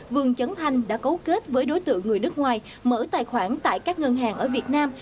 vương trấn thanh đã cấu kết với đối tượng người nước ngoài mở tài khoản tại các ngân hàng ở việt nam